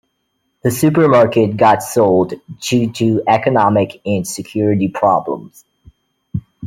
The supermarket got sold due to economic and security problems.